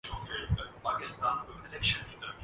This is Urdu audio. ھم نے بہت ہی کم وقت میں اپنا کام ختم کرلیا